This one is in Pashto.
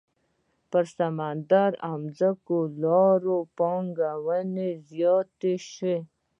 پر سمندري او ځمکنيو لارو پانګونه زیاته شوه.